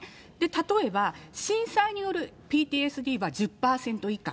例えば、震災によるＰＴＳＤは１０％以下。